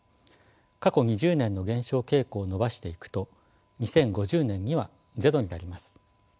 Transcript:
過去２０年の減少傾向を伸ばしていくと２０５０年にはゼロになります。